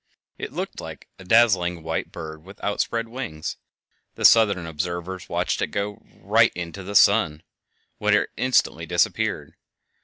It looked like a dazzling white bird with outspread wings. The southern observers watched it go right into the sun, when it instantly disappeared.